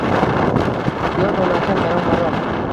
Yod olarkan varoq-varoq